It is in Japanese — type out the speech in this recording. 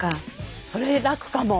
それ楽かも。